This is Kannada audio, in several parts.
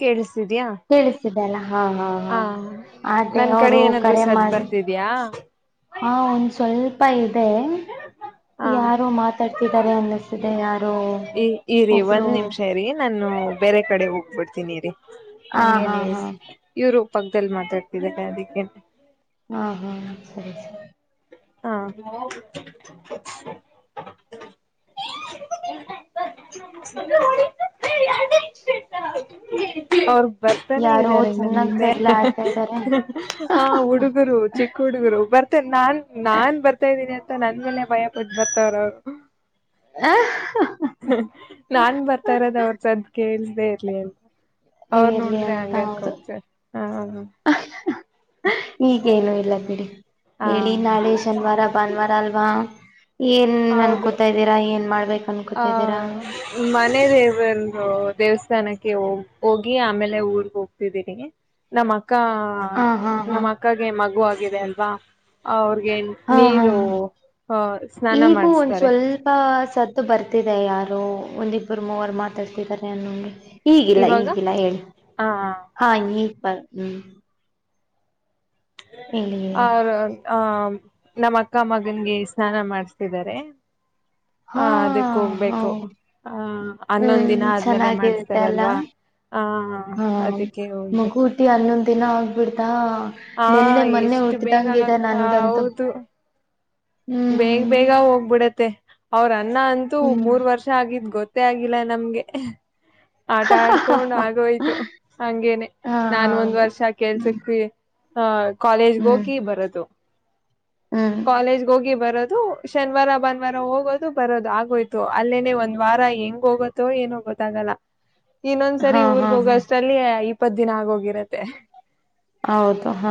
ಕೇಳಿಸ್ತಿದ್ಯಾ ಕೇಳಿಸಿದೆಲ್ಲ ಹಾ ಹಾ ಹ ಹಾ ಅದೇ ನನ್ ಕಡೆ ಅವರು ಏನಾದ್ರು ಕರೆ ಸದ್ ಮಾಡಿ ಬರ್ತಿದ್ಯಾ ಹಾ ಒಂದ ಸ್ವಲ್ಪ ಪಾಯನ್ ಹಾ ಮಾತಾಡ್ತಿದ್ದಾರೆ ಅನ್ನಿಸ್ತಿದೆ ಯಾರೋ ಈ ಇರಿ ಒಬ್ರು ಒಂದ್ ನಿಮಿಷ ಇರಿ ನಾನು ಬೇರೆ ಕಡೆ ಹೋಗ ಬಿಡ್ತೀನಿರೀ ಹ ಹಾ ಹಂಗೇನೆ ಹಾ ಇವರು ಪಕ್ಕದಲ್ಲಿ ಮಾತಾಡ್ತಿದ ಅದಕ್ಕೆ ಹಾ ಹಾ ಸರಿ ಸರಿ ಹಾ ಅವ್ರ ಬರ್ತಾನೆ ಯಾರೋ ಇದ್ದಾರೆ ನಮ್ಮ ಚೆನ್ನಾಗ್ ಹಿಂದೆ ಜಗಳ ಆಡ್ತಾ ಇದ್ದಾರೆ ಆ ಹುಡುಗರು ಚಿಕ್ಕ ಹುಡುಗರು ಬರ್ತಾರೆ ನಾನ್ ನಾನ್ ಬರ್ತಾ ಇದ್ದೀನಿ ಮತ್ತ ನಂದ ಮೇಲೆ ಭಯ ಪುಟ್ಟ ಬರ್ತವ್ರ ಅವ್ರು ಆ ನಾನ್ ಬರ್ತಾ ಇರೋದ ಅವ್ರ ಸದ್ ಕಿ ಇರ್ಲಿ ಅಂತ ಅವ್ರ ಇರ್ಲಿ ನೋಡಿದ್ರೆ ಅಂತ ಹಂಗ ಹೌದು ಅನ್ಕೊಂಬಸ ಹ ಈಗೇನು ಇಲ್ಲ ಬಿಡಿ ಹ ಹೇಳಿ ಹ ನಾಳೆ ಶನಿವಾರ ಭಾನುವಾರ ಅಲ್ವಾ ಏನ್ ಅನ್ ಕೂತಾ ಇದ್ದೀರಾ ಏನ್ ಮಾಡ ಹ ಮನೆದೇವಂದರು ದೇವಸ್ಥಾನ ಸ್ಥಾನಕ್ಕೆ ಹೋಗ್ ಹೋಗಿ ಆಮೇಲೆ ಊರ್ಗ್ ಹೋಗ್ತಿದ್ದೀನಿ ನಮ್ಮ ಅಕ್ ಕ್ಕ ಹ ಹಾ ಹಾ ನಮ್ಮ ಅಕ್ಕಗೆ ಮಗು ಆ ಗಿದೆ ಅಲ್ವಾ ಅವ್ ರಿಗೆ ಹಾ ಹಾ ನೀರು ಹಾ ಹ ಸ್ನಾನ ಮಾಡಿಸ್ತಾರೆ. ದ್ದು ಬರ್ತಿದೆ ಯಾರೋ ಒಂದಿಬ್ಬರು ಮೂವರು ಮಾತಾಡ್ತಿದ್ದಾರೆ ಅನ್ನೋ ಹಂಗೆ. ಈಗಿಲ್ಲ ಇವಾಗ ಈಗಿಲ್ಲ ಹೇಳಿ ಆ ಹಾ ಬ ಹ್ಮ್ ಹೇಳಿ ಹೇಳಿ ಆವ್ರ್ ಹ ನಮ್ಮ್ ಅಕ್ಕ ಮಗನ್ಗೆ ಸ್ನಾನ ಮಾಡಸ್ತಿದ್ದಾರೆ. ಹಾ ಅದಕ್ಕ ಹೋಗ್ಬೇಕು ಹೌದು ಆ ಹನ್ನೊಂದ್ ಹ್ಮ್ ದಿನ ಆದ್ಮೇಲೆ ಚೆನ್ನಾಗಿರುತ್ತೆ ಅಲ್ಲ ಮಾಡಸ್ತಾರಲ್ವಾ ಹ ಹಾ ಅದಕ್ಕೆ ಹೋಗ್ಬೇಕು. ಬಿಡ್ತಾ ಹಾ ನಿನ್ನೆ ಮೊನ್ನೆ ಎಷ್ಟು ಬೇಗ ಉಟ್ದಂಗ ಇದೆ ಆಗ್- ನನ್ಗಂತೂ. ಹೌದು ಬೇಗ ಹ್ಮ್ ಬೇಗ ಹೋಗ್ಬಿಡತ್ತೆ. ಔರ ಣ್ಣ ಅಂತೂ ಹ್ಮ್ ಮೂರ್ ವರ್ಷ ಆಗಿದ್ ಗೊತ್ ತ್ತೆ ಆಗಿಲ್ಲ ನಮ್ಗೆ. ಆಟ ಆಡ್ಕೊಂಡ್ ಆಗೋಯ್ತು ಹಂಗೇನೆ ಹಾ ನಾನ್ ಒಂದ್ ಹೌದು ವರ್ಷ ಕೆಲ್ಸಕ್ಕ ಹಾ ಕಾಲೇಜ್ಗೆ ಹೋಗಿ ಬರದು. ಹ್ಮ ಬರೋದು ಶನಿವಾರ ಭಾನುವಾರ ಹೋಗೋದು ಬರೋದು ಆಗೋಯ್ತು ಅಲ್ಲೇನೆ ಒಂದ್ ವಾರ ಹೆಂಗ್ ಹೋಗುತ್ತೋ ಏನೋ ಗೊತ್ತ್ ಆಗಲ್ಲ. ಹಾ ಇನ್ನೊಂದ್ಸರಿ ಹಾ ಊರ್ಗ್ ಹೋಗೋ ಹಾ ಅಷ್ಟ್ರಲ್ಲಿ ಇಪ್ಪತ್ ದಿನ ಆಗೋಗಿರತ್ತೆ. ಹೌದು ಹಾ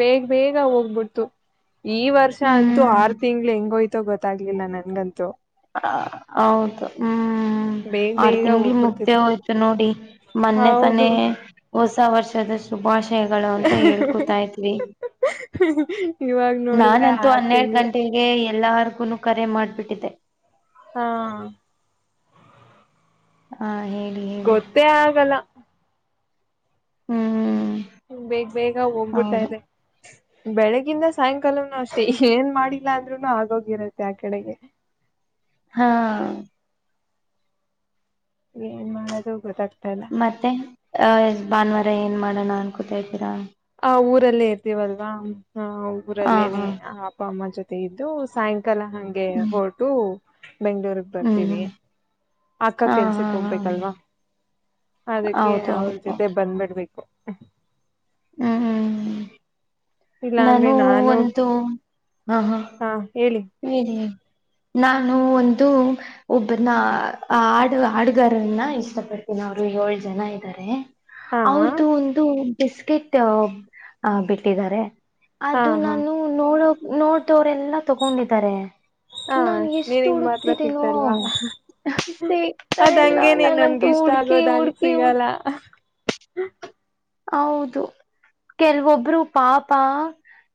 ಬೇಗ ಬೇಗ ಹೋಗ್ಬಿಡ್ತು ಈವ ಅಂತೂ ಹ್ಮ್ ಆರು ತಿಂಗಳ್ ಹೆಂಗೋ ತೊ ಗೊತ್ತಾಗ್ಲಿಲ್ಲ ನನ್ಗಂತೂ. ಹ ಹೌದು ಹ್ಮ್ ಬೇಗ್ ಆರ್ ಬೇಗ ತಿಂಗ್ಳ್ ಮುಗ್ದೇ ಹೋಗ್ಬಿಡ್ತಿದೆ ಹೋಯ್ತು ನೋಡಿ ಮೊನ್ನೆ ತಾನೇ ಹೌದು ಹೊಸ ವರ್ಷದ ಸುಬಾಷ ಯಗಳು ಅಂತ ಹೇಳ್ಕೂತಾ ಇದ್ವಿ ಇವಾಗ ನೋಡಿದ್ರೆ ನಾನಂತೂ ಆರ್ ಹನ್ನೆರಡು ತಿಂಗಳು ಗಂಟೆಗೆ ಎಲ್ಲಾರ್ಗು ಕರೆ ಮಾಡ್ ಬಿಟ್ಟಿದ್ದೆ ಹಾ ಹಾ ಹೇಳಿ ಹೇಳಿ ಗೊತ್ತೇ ಆಗಲ್ಲ. ಹ್ಮ್ ಹ್ಮ ಬೇಗ ಬೇಗ ಹೋಗ್ಬಿಡ್ತಾ ಹೌದು ಇದೆ. ಬೆಳಗಿಂದ ಸಾಯಂಕಾಲನು ಅಷ್ಟೆ ಏನ್ ಮಾಡಿಲ್ಲ ಅಂದ್ರುನು ಆಗೋಗಿರುತ್ತೆ ಆ ಕಡೆಗೆ ಹಾ ಏನ್ ಮಾಡೋದು ಗೊತ್ತಾಗ ಮತ್ತೆ ಅ ಭಾನುವಾರ ಏನ್ ಮಾಡ ಣ ಅನಕ್ಕೂತಾಯಿದಿರ ಆ ಊರಲ್ಲೇ ಇರ್ತೀವಲ್ವಾ. ಹಾ ಹಾ ಊರಲ್ಲೇನೆ ಹಾ ಅಪ್ಪ ಅಮ್ಮ ಜೊತೆ. ಇದು ಸಾಯಂ ಕಲಾ ಹಂಗೆ ಹ್ಮ್ ಹೊರಟು ಬೆಂಗಳೂರಗ್ ಬರ್ತೀವಿ. ಹ್ಮ್ ಅಕ್ಕ ಹಾ ಹಾ ಕೆಲ್ಸಕ್ ಹಾ ಹೋಗ್ಬೇಕಲ್ವಾ ಅದಕ್ಕೆ ಹೌದು ಅವ್ಳ ಹೌದು ಜೊತೆ ಬಂದ್ಬಿಡ್ಬೇಕು. ಕು ಹ್ ಹಾ ಹಾ ಆ ಇಲ್ಲಾ ಅಂದ್ರೆ ನಾನು ಒಂದು ಹ ಹ ಹಾ ಹೇಳಿ ಹೇಳಿ ಹೇಳಿ ನಾನು ಒಂದು ಒಬ್ಬನ ಹಾಡು ಹಾಡಗಾರನ್ನ ಇಷ್ಟಪಡ್ತೀನಿ ಅವರು ಏಳ್ ಜನ ಇದ್ದಾರೆ. ಹಾ ಅವ್ರ್ದು ಹಾ ಒಂದು ಬಿಸ್ಕೆಟ್ ಆ ಬಿಟ್ಟಿದ್ದಾರೆ. ಅದು ಹಾ ನಾನು ನೋಡೋ ನೋಡದವರೆಲ್ಲಾ ತಗೊಂಡಿದ್ದಾರೆ. ಹಾ ನಾನ್ ಎಷ್ಟು ನೀನಿಗ್ ಮಾತ್ರ ಹುಡುಕ್ತಿದ್ದೇನೋ ಸಿಗ್ತಲ್ವಾ ಸಿಗ್ತಾ ಅದ್ ಇಲ್ಲ ಹಂಗೇನೆ ನಾನಂತೂ ನಮ್ಗೆ ಇಷ್ಟ ಹುಡ್ಕಿ ಆಗೋದ್ ಹಂಗ್ ಹುಡ್ಕಿ ಸಿಗಲ್ಲ ಹುಡ್ಕಿ [unintelligible] ಹೌದು ಕೆಲವೊಬ್ರು ಪಾಪ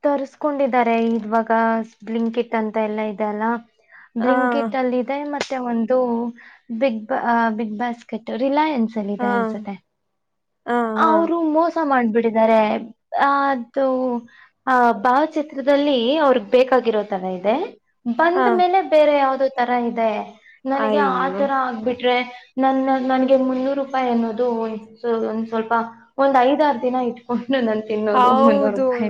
ತರ್ಸ್ಕೊಂಡಿದ್ದಾರೆ ಇವಾಗ ಬ್ಲಿಂಕಿಟ್ ಅಂತ ಎಲ್ಲ ಇದೆ ಅಲ್ಲ. ಹಾ ಬ್ಲಿಂಕಿಟ್ ಅಲ್ಲಿದೆ ಮತ್ತೆ ಒಂದು ಬಿಗ್ ಅ ಬಿಗ್ ಬಾಸ್ಕೆಟ್ ರಿಲಯಾನ್ ಸಲ್ಲಿದೆ ಹಾ ಅನ್ಸುತ್ತೆ ಹಾ ಆ ಹಾ ಹೌದು. ಮೋಸ ಮಾಡ್ಬಿಟ್ಟಿದ್ದಾರೆ ಅ ಅದು ಆ ಭಾವಚಿತ್ರದಲ್ಲಿ ಅವ್ರಗ್ ಬೇಕಾಗಿರೋ ತರ ಇದೆ ಬಂದ ಹಾ ಮೇಲೆ ಬೇರೆ ಯಾವ್ದೋ ತೋ ತರ ಇದೆ. ನನಗೆ ಅಯ್ಯೋ ಆತರ ಆಗ್ಬಿಟ್ರೆ. ನನ್ನ ನನ್ಗೆ ಮುನ್ನೂರು ರೂಪಾಯಿ ಅನ್ನೋದು ಒಂದ್ ಒನ್ ಸ್ವಲ್ಪ ಒಂದ್ ಐದಾರು ದಿನ ಇಟ್ಕೊಂಡ ಇನ್ನು ನನ್ ತಿನ್ನೋದು ಮುನ್ನೂರು ಹೌದು ರೂಪಾಯ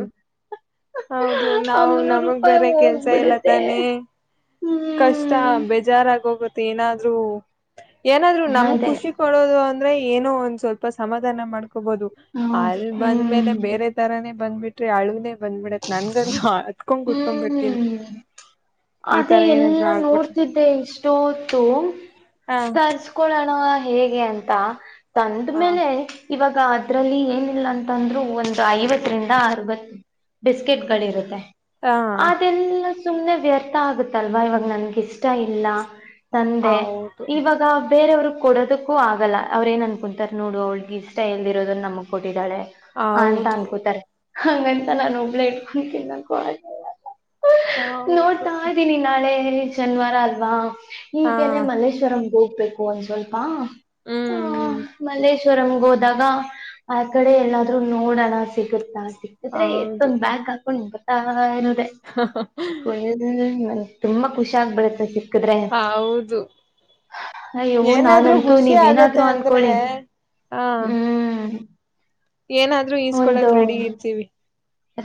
ಹೌದು ಆ ನಾವು ಮುನ್ನೂರು ನಮಗ್ ರೂಪಾಯಿ ಬೇರೆ ಕೆಲ್ಸ ಇಲ್ಲ ಹೋಗ್ಬಿಡುತ್ತೆ. ತಾನೆ ಕಷ್ಟ ಹ್ಮ್ ಬೇಜಾರಾಗ ಹೋಗುತ್ತ ಏನಾದ್ರೂ ಏನಾದ್ರು ನಮಗ್ ಅದೇ ಖುಷಿ ಕೊಡೋದು ಅಂದ ಅಂದ್ರೆ ಏನೋ ಒಂದ ಸ್ವಲ್ಪ ಸಮಾಧಾನ ಮಾಡ ಹೊಬೋದು ಹ್ಮ್ ಅಲ್ಲಿ ಬಂದ್ಮೇಲೆ ಬೇರೆ ತರಾನೇ ಬಂದ್ಬಿಟ್ರೇ ಅಳುದೇನ್. ಬಂದ್ಬಿಡತ್ ನನ್ಗ ಅತ್ಕೊಂಡ್ ಕುತ್ಕೊಂಡ್ ಬಿಡ್ತೀನಿ ಇದ್ ಮತ್ತೆ ಎಲ್ಲಾ ನೋಡ್ತಿದ್ದೆ ಇಷ್ಟೋತ್ತು ಹ ತರಸ್ಕೊಳನಾ ಹ ಹೇಗೆ ಅಂತ ತಂದ ಹ ಮೇಲೆ ಇವಾಗ ಈಗ ಅದ್ರಲ್ಲಿ ಏನಿಲ್ಲ ಅಂತಂದ್ರು ಒಂದು ಐವತ್ತರಿಂದ ಅರವತ್ತು ಬಿಸ್ಕೆಟ್ ಗಳಿರುತ್ತೆ ಹ ಅದೆಲ್ಲ ಸುಮ್ನೆ ವ್ಯರ್ಥ ಆಗುತ್ತಲ್ವಾ ಇವಾಗ ನನ್ಗೆ ಇಷ್ಟ ಇಲ್ಲ ತಂದೆ ಹೌದು ಇವಾಗ ಬೇರೆವ್ರ ಕೊಡದಕ್ಕೂ ಆಗಲ್ಲ ಅವ್ರ ಏನ್ ಅನ್ಕ ಕುಂತಾರೆ ನೋಡು ಅವಳಿಗೆ ಇಷ್ಟ ಎಲ್ದ ಇರೋದನ್ನ ನಮಗೆ ಕೊಟ್ಟ ಕೊಟ್ಟಿದಾಳೆ ಹ ಅಂತ ಹೌದು ಅನ್ಕೋತಾರೆ ಹ ಎಲಾ ನ ಪ್ಲೆಟ್ ಕೆನ್ನ ಕ [unintelligible] ಹೌದು ನೋಡ್ತಾ್ದೀನಿ ನಾಳೆ ಶನಿವಾರ ಅಲ್ವಾ ಹಾ ಹೀಗೇನೆ ಮಲ್ಲೇಶ್ವರಂ ಹೋಗಿ ಹೋಗಬೇಕು ಒಂದ್ ಸ್ವಲ್ಪ ಹ ಹ್ಮ್ ಹ್ಮ್ ಮಲ್ಲೇಶ್ವ ವರಮ್ಗೆ ಹೋದಾಗ ಆ ಕಡೆ ಎಲ್ಲಾದ್ರೂ ನೋಡಣ ಸಿಗುತ್ತಾ ಸಿಕ್ಕಿದ್ರೆ ಹೌದು ಒಂದು್್ಯಾಗ್ ಹಾಕೊಂಡು ಹಾ [unintelligible] [unintelligible] ನನ್ ತುಂಬಾ ಖುಷ ಆಗ್ಬಿಡತ್ತೆ ಸಿಕ್ಕಿದ್ರೆ ಹೌದು ಅಯ್ಯವು ಏನಾದ್ರೂ ನಾನಂತೂ ಖುಷಿ ನೀವೇನಾದ್ರು ಆಗತ್ತೆ ಅಂದ್ರೆ ಅನ್ಕೊಳ್ಳಿ ಆ ಹ್ಮ್ ಏನಾದ್ರೂ ಈಸ್ಕೊಳಕ್ ರೆಡಿ ಒಂದು ಇರ್ತೀವಿ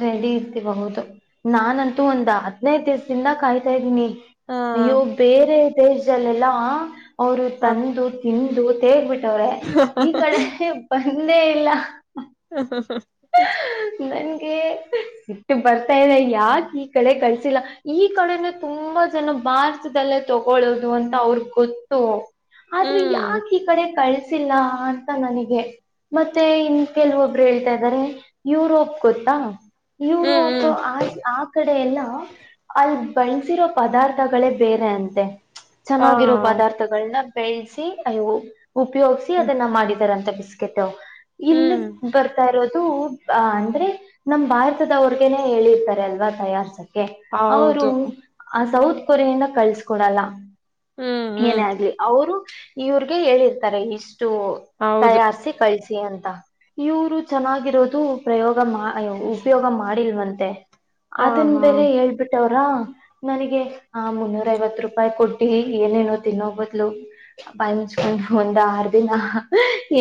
ರೆಡಿ ಇರ್ತಿಬಹುದು ನಾನಂತೂ ಒಂದ್ ಹದ್ನೈದ ದಿವ್ಸದಿಂದ ಕಾಯ್ತಾ ಇದ್ದೀನಿ ಹ ಅಯ್ಯೋ ಬೇರೆ ತಜಲ್ ಎಲ್ಲಾ ಅವರು ಹ ತಂದು ತಿಂದು ದತೆ ಬಿಟ್ಟ ್ರೆ ಈ ಕಡೆ ಹಂದೇ ಇಲ್ಲ ಹ ಹ ಹ [unintelligible] ಇಟ್ಟು ಬರ್ತಾ ಇದೆ ಯಾಕ ಈ ಕಡೆ ಕಗಳಸಿಲ್ಲ ಈ ಕಡೆನ ತುಂಬಾ ಜನ ಭಾರತದಲ್ಲೇ ತಗೊೊಳ್ಳೋದು ಅಂತ ಅವ್ರ ಗೊತ್ತು ಆದ್ರೆ ಹ್ಮ್ ಯಾಕ ಈ ಕಡೆ ಕಳ್ಸ ಿಲ್ಲ ಅಂತ ನನಗೆ ಮತ್ತೆ ಇನ್ ಕೆಲವೊಬ್ರು ಹೇಳ್ತಾ ಇದ್ದಾರೆ ಯುರೋಪ್ ಕೊತ್ತ ಹ್ಮ್ ಯುರೋಪ ಹ್ಮ್ ಆ ಆ ಕಡೆ ಎಲ್ಲ ಅಲ್ಲಿ ಬಳಸಿರೋ ಪದಾರ್ಥಗಳೇ ಬೇರೆ ಅಂತೆ ಹಾ ಚೆನ್ನಾಗಿರೋ ಪದಾರ್ಥಗಳನ್ನ ಬೆೇಳ್ಿಸಿಿ ಅಯವು ಉಪಯೋಗಸಿ ಅದನ್ನ ಮಾಡಿದಾರಂತ ಬಿಿಸ್ಕಿಟ್ು ಇನ್ನು ಹ್ಮ್ ಬರ್ತಾ ಇರೋದು ಅಂದ್ರೆ ನಮ್ ಭಾರತದವರ್ಗೇನೆೇ ಹೇಳಿರ್ತಾರೆ ಅಲ್ವಾ ತಯಾರ್ಸುತ್ತ ಅವರು ಹೌದು ಸೌತ್ ಕೊರಿಯಿಂದ ಕಳ್ಸ್ಕೊಡಲ್ಲ ಹ್ಮ್ ಹ್ಮ್ ಏನೇ ಆಗ್ಲಿ ಅವರು ಇವ್ರಿಗೆ ಹೇಳಿರ್ತಾರೆ ಇಷ್ಟ ಹೌದು ತಯಾರಿಸಿ ಕಳಿಸಿ ಅಂತ ಇವರು ಚೆನ್ನಾಗಿರೋದು ಪ್ರಯೋಗ ಅಯ್ಯ ಉಪಯೋಗ ಮಾಡಿಲ್ವ ದ ಹಾ ಅದನ್ ಹಾ ಬೇರೆ ಹೇಳ್ಬಿಟ್ಟವರು ನನಗೆ ಆ ಮುನ್ನೂರ ಐವತ್ತು ರೂಪಾಯಿ ಕೊಟ್ಟಿ ಏನೇನೋ ತಿನ್ನೋ ಬದ್ಲು ಬಾಯ ಮುಚ್ಕೊಂಡು ಒಂದ್ ಆರ್ ದಿನ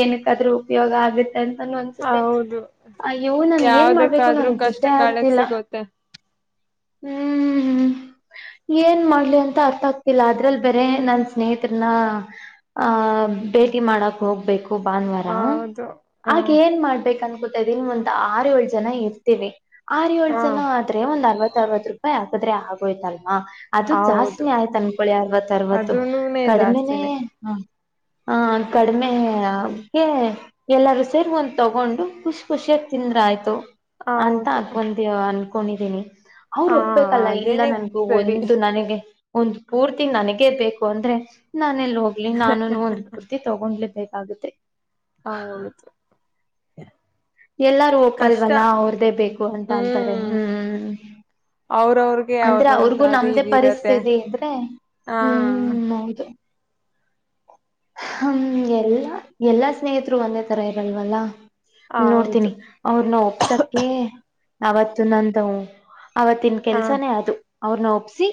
ಏನ್ ಯಾದ್ರೂ ಉಪಯೋಗ ಆಗುತ್ತೆ ಅಂತಾನ ಅನ್ಸುತ್ತೆ ಹೌದು ಆ ಇವು ನಮ ಏನ್ ಮಾಡ್ಬೇಕು ಯಾವ್ದಕ್ಕಾದ್ರೂ ನನ್ ಕಷ್ಟ ಗೊತ್ತೇ ಕಾಲಕ್ ಆಗ್ತಿಲ್ಲ ಸಿಗುತ್ತೆ ಹ್ಮ್ ಏನ್ ಮಾಡ್ಲಿ ಅಂತ ಅರ್ಥ ಆಗ್ತಿಲ್ಲ ಅದ್ರಲ್ಲಿ ಬರೇ ನನ್ ಸ್ನೇಹಿತರನ್ನ ಆ ಭೇಟಿ ಮಾಡಕ್ ಹೋಗ್ಬೇಕು ಭಾನುವಾರ ಹೌದು ಹ ಹಾಗ ಏನ್ ಮಾಡ್ಬೇಕಂತ ನ್ ಒ್ ಆರುೋಳ ಜನ ಇರ್ತೀವಿ ಆರ ಹ ಏಳ್ು ಜನ ಆದ್ರ ಒಂದ್ ಅರವತ್ತ ಅರವತ್ತು ರೂಪಾಯಿ ಆಗ್ತದೆ ಹ ಆಗ್ಗೋಯತ ಹ ಅದು ಹೌದು ಜಾಸ್ತಿನ ಆಯ್ತು ಅನ್ಕೊಳ್ಳಿ ಅರವತ್ ಅರವತ್ತು ಅದೂನುನೇ ಕಡಿಮೆನೇ ಜಾಸ್ತಿನೇ ಹ ಕಡಿಮೆಗೆ ಎಲ್ಲರೂ ಸೇರಿ ಒಂದ್ ತಗೊಂಡು ಖುಷಿ ಖುಷಿಯಾಗ ತಿಂದ್ರ ಆಯ್ತು ಅಂತ ಹೌದು ಆಗ್ಬಂದಿವವ ಅನ್ ಕೊಂಡಿದ್ದೀನಿ ಅವ್ರು ಹ ಒಪ್ಬೇಕಲ್ಲ ಇಲ್ಲ ಅದೇನೆ ನನ್ಗೂ ಸರಿ ಒಂದು ನನಗೆ ಒಂದು ಪೂರ್ತಿ ನನಗೇ ಬೇಕು ಅಂದ್ರೆ ನಾನ ಲ್ಲಿ ಹೋಗ್ಲಿ ನಾನು ಒಂದು ಕುರ್ತಿ ತಗೊಂಡ್ಲೇಬೇಕು ಆಗುತ್ತೆ ಹ ಹೌದು ಹ ಎಲ್ಲಾರೂ ಒಪ್ಪಲ್ವಲ್ಲ ಅವ್ರ್ದೇ ಬೇಕು ಅಂತ ಅಂತಾರೆ ಹ್ಮ್ ಹ್ಮ್ ಅವ್ರವ್ರಗೆ ಅಂದ್ರೆ ಅವ್ರವ್ರ್ದ ಅವ್ರಿಗೂ ಅದು ನಮ್ದೇ ಇದ ಇರತ್ತೆ ಪರಿಸ್ಥಿತಿ ಅಂದ್ರೆ ಹ ಹ್ಮ್ ಹೌದು ಹ ಎಲ್ಲಾ ಎಲ್ಲಾ ಸ್ನೇಹಿತರು ಒಂದೇ ತರ ಇರಲ್ವಲ್ಲ ಹೌದು ನೋಡ್ತೀನಿ ಅವ್ರನ್ನ ಒಪ್ಸಕ ಅವತ್ತು ನಂತವು ಅವತ್ತಿನ ಹ ಕೆಲ್ಸನೇ ಅದು ಅವ್ರನ್ನ ಒಪ್ಪಸಿ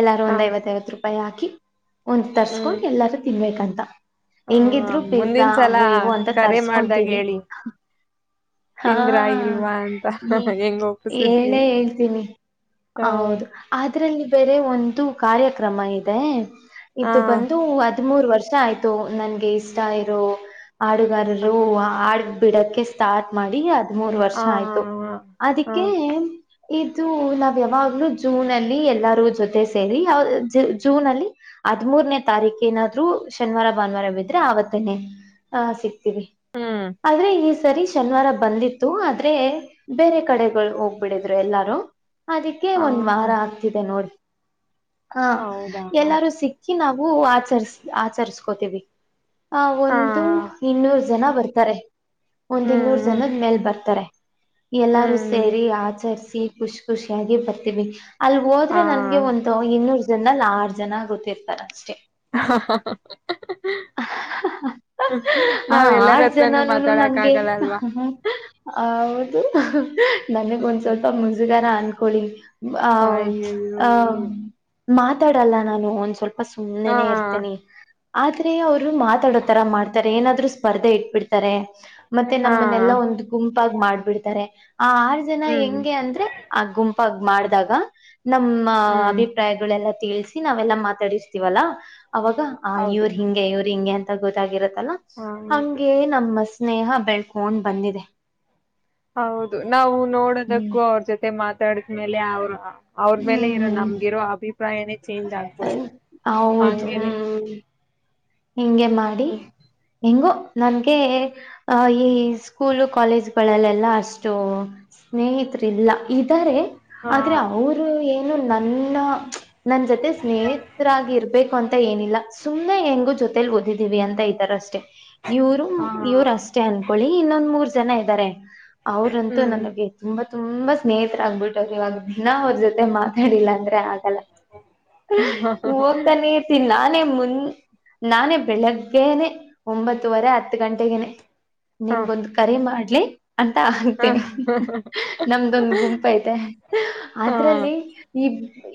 ಎಲ್ಲಾರ ಹ ಒಂದ ಐವತ್ತೈವತ್ತು ರೂಪಾಯಿಾಕಿ [unintelligible] ಒಂದ್ ಹ್ಮ್ ತರ್ಸ್ಕೊಂಡು ತಿನ್ಬೇಕಂತ ಹ ಹೆಂಗಿದ್ರು ಪಿಜಜಾ ಮುಂದಿನ ಸಲ ಅವು ಇವು ಅಂತ ಕರೆ ಮಾಡ್ದಾಗ ತರ್ಸ್ಕೊಂತೀವಿ ಹೇಳಿ ಹ ತಿಂದ್ರಾ ಇಲ್ವಾ ಅಂತ ಹ್ಮ ಹೆಂಗ ಒಪ್ಪಸಿದ್ರಿ ಹೇಳೇ ಅಂತ ಹೇಳ್ತೀನಿ ಹೌದು ಅದ್ರಲ್ಲಿ ಬೇರೆ ಒಂದು ಕಾರ್ಯ ಕ್ರಮ ಇದೆ ಹ ಇದು ಬನ್ನಿ ಹದಿ್ಮೂರ್ ವರ್ಷ ಆಯ್ತು ನನ್ಗೆ ಇಷ್ಟ ಇರೋ ಆಡುಗಾರರು ಆಡು ಬಿಡಕ್ಕೆ ಸ್ಟಾರ್ಟ್ ಮಾಡಿ ಅ ಮೂರ್ ಹ ಹ ವರ್ಷ ಆಯ್ತು ಹ ಅದಕ್ಕೆ ಇದು ನಾವ ಯಾವಾಗ್ಲೂ ಜೂನ್ ಅಲ್ಲಿ ಎಲ್ಲಾರೂ ಜೊತೆ ಸೇರಿ ಯ ಜೂನ್ ಅಲ್ಲಿ ಹದ್ಮೂರನೇ ತಾರೀಕ ಏನಾದ್ರು ಶನಿವಾರ ಭಾನುವಾರ ಬಿದ್ರೆ ಆವತ್ತನೇ ಆ ಸಿಕ್ತ ಹ್ಮ್ ಆದ್ರೆ ಈ ಸರಿ ಶನಿವಾರ ಬಂದಿತ್ತು ಆದ್ರೆ ಬೇರೆ ಕಡೆಗಳು ಹೋಗ್ಬಿಡಿದ್ರು ಎಲ್ಲಾರು ಅದಕ್ಕೆ ಒಂದ್ ಹ ವಾರ ಆಗ್ತಿದೆ ನೋಡ ಹಾ ಹೌದಾ ಹ ಎಲ್ಲಾರೂ ಸಿಕ್ಕಿ ನಾ ಹೂ ಆಚರಿಸ ಆಚರಿಸಕೋತೀವಿ ಹ ಒಂದು ಹ್ಮ್ ಇನ್ನೂರು ಜನ ಬರ್ತಾರೆ ಒಂದು ಇನ್ನೂರ್ ಹ್ಮ್ ಜನದ ಮೇಲ್ ಬರ್ತಾರೆ ಎಲ್ಲಾರು ಹ್ಮ್ ಸೇರಿ ಆಚರ್ರಿಸಿ ಖುಷಿ ಖುಷಿಯಾಗಿ ಬರ್ತೀವಿ. ಅಲ್ಲಿ ಹ ಹೋದ್ರೆ ನನ್ಗೆ ಒಂದು ಇನ್ನೂರು. ಇದ್ರಲ್ಲಿ ಆರ್ಡ್ ಜನ ಗೊತ್ತಿರ್ತಾರ ಸೆ [inaudible] ಹ ನಾವ್ ಎಲ್ಲರ ಆರ್ ಹತ್ರನು ಜನೂನು ಮಾತಾಡಕ್ ನನ್ಗೆ ಆಗಲ್ಲ ಅಲ್ವಾ ಹೌದು ದ [inaudible] ನನಗ್ ಒಂದ್ ಸ್ವಲ್ಪ ಮುಜುಗಾರ ಅಕೊಳ್ಳಳಿ ಹ ಅಯ್ಯಯ್ಯೋ ಹ ಮಾತಾಡಲ್ಲ ನಾನು ಒಂದ ಸ್ವಲ್ಪ ತಪ ಸುಮ್ಮನೆನೆ ಹ ಇರ್ತೀನಿ ಆದ್ರೆ ಅವರು ಮಾತಾಡೋತರ ಮಾಡ್ತಾರೆ ಏನಾದ್ರರು ಸ್ಪರ್ಧೆ ಇಟ್ಬಿಡ್ತಾರೆ ಮತ್ತೆ ಹಾ ನಮ್ಮನೆೆಲ್ಲ ಒಂದು ಗುಂಪ ಗ ಮಾಡ್ಬಿಡ್ತಾರೆ ಆ ಆರು ಜನ ಹ್ಮ್ ಹೆಂಗೆ ಅಂದ್ರೆ ಆ ಗುಂಪ ಮಾಡಿದಾಗ ನಮ್ಮ ಹ್ಮ್ ಅಭಿಪ್ರಾಯಗಳೆಲ್ಲ ತಿಳಸಿ ನಾವೆಲ್ಲಾ ಮಾತಾಡವಿ ವಲ್ಲ ಅವಾಗ ಇವ ಹೌದು ಹಿಂಗೆ ಇವ್ರು ಹಿಂಗೆ ಅಂತ ಗೊತ್ತಾಗುತ್ತೆ [inaudible] ಹೌದು ಅಂಗೆ ನಮ್ಮಸ್ ಸ್ನೇಹ ಬೆಳ್ಕೊಂಡ್ ಬಂದಿದೆ ಹೌದು ನಾವು ಹ್ಮ್ ನೋಡೋದಕ್ಕೂ ಅವ್ರ ಜೊತೆ ಮಾತ ತಡ್ಕ ಮೇಲೆ ಅವ್ರ ಅವ್ರ ಮೇಲೆ ಇರೋ ಹ್ಮ್ ನಮಗಿರೋ ಅಭಿಪ್ರಾಯ ಏನ ಚೇಂಜ್ ಆಗ್ಬಿಡ ಹೌದು ಹಂಗೇನೆ ಹ್ಮ್ ಹಿಂಗೆ ಮಾಡಿ- ಹ್ಮ ಹೆಂಗೋ ನನ್ಗೆ ಅಹ ಈ ಸ್ಕೂಲು ಕಾಲೇಜು ಗಳಲ್ಲೆ ಎಲ್ಲ ಅಷ್ಟು ಸ್ನೇಹಿತರಿಲ್ಲ. ಇದ್ದಾರೆ ಹಾ ಆದ್ರೆ ಅವರು ಏನು ನನ್ನ ನನ್ನ ಜೊತೆ ಸ್ನೇಹಿತರಾಗಿ ಇರ್ಬೇಕು ಅಂತ ಏನಿಲ್ಲ ಸುಮ್ಮನೆ ಹೆಂಗು ಜೊತೆೇಲಿ ಓದಿದ್ದೀವಿ ಅಂತ ಇದ್ದಾರ ಅಷ್ಟೇ- ಇವರು ಹಾ ಇವರು ಅಷ್ಟೇ ಅನ್ಕೊಳ್ಳಿ. ಇನ್ನೊಂದ್ ಮೂರ್ ಜನ ಇದ್ದಾರೆ. ಅವ್ರಂತೂ ಹ್ಮ್ ನನಗೆ ತುಂಬಾ ತುಂಬಾ ಸ್ನೇಹಿತರ ಆಗ್ಬಿಟ್ಟರು ಇವಾಗ ದಿನಾ ಅವ್ರ ಜೊತೆ ಮಾತಾಡಿಲ್ಲ ಅಂದ್ರೆ- ಆಗಲ್ಲ ನೀ ಹೋಗ್ತಾನೆ ಇರ್ತೀಿನಿ ನಾನು ಅರೆ ಮುನ್ ನಾನೇ ಬೆಳಗ್ಗೆನೆ ಒಂಬತ್ತುವರೆ ಹತ್ತು ಗಂಟೆಗನೆ ಹ ನಿಮಗೊಂದು ಕರೆ ಮಾಡಿ ಅಂತ ಹಗ್ತೀನಿ ಹ ನಮ್ದೊಂದು ಗುಂಪ ಐತೆ ಹಾ ಅದ್ರಲ್ಲಿ ಈ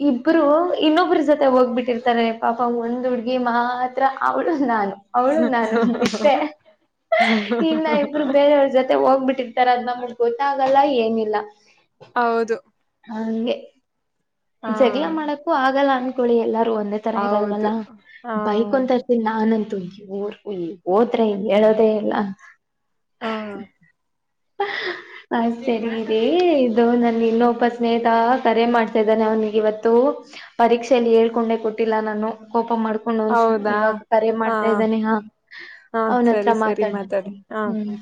ಇಬ್ರು ಇನ್ನೊಬ್ರ ಜೊತೆ ಹೋಗ್ಬಿಟ್ಟಿರ್ತಾರೆ ಪಾಪ ಒಂದ್ ಹುಡ್ಗಿ ಮಾತ್ರ ಅವಳ ನಾನು ಅವಳು ನಾನು ಮತ್ತೆ ಇಬ್ಬರೇ ಇನ್ನ ಇಬ್ಬರ ಬೇರೆಯವ್ರ ಜೊತೆ ಹೋಗ್ಬಿಟ್ಟಿರ್ತಾರ ಅದು ನಮಗ್ ಗೊತ್ತಾಗಲ್ಲ ಏನಲ್ಲ ಅಲ್ಲ ಹೌದು ಹಾ ಜಗಳ್ ಮಾಡಕ್ಕು ಆಗಲ್ಲ ಅನ್ಕ ಕೊಳಿ ಎಲ್ಲ- ಒಂದೇ ತರ ಇರಲ್ವಲ್ಲ ಹೌದು ಹಾ ಬೈಕ್ ಅಂತ ಇರ್ತನಿ ನಾನ ಊರಿಗೆ ಈ ಹೋದ್ರೆ ಹೇಳೋದೇ ಇಲ್ಲ ಹಾ ಹಾ ಹ ಸರಿ ಇರಿ ಇದು ನನ್ ಇನ್ನೊಬ್ಬ ಸ್ನೇಹಿತ ಕರೆ ಮಾಡಿ ಇದಾನೆ ಅವನಿಗೆ ಇವತ್ತು ಪರೀಕ್ಷೆಯಲ್ಲಿ ಹೇಳ್ಕೊಂಡೆ ಕೊಟ್ಟ- ಇಲ್ಲ ನಾನು ಕೋಪ ಮಾಡ್ಕೊಂಡು ಒಂದ ಹೌದಾ ಇವಾಗ ಕರೆ ಹಾ ಮಾಡ್ತಾ ಇದ್ದಾನೆ ಹಾ ಹಾ ಸರಿ ಅವನತ್ರ ಸರಿ ಮಾತಾಡಿ ಮಾತಾಡ್ರ್ತೇನೆ ಹಾ ಹ್ಮ್ ಹಾ